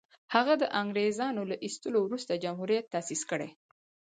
هغه د انګرېزانو له ایستلو وروسته جمهوریت تاءسیس کړي.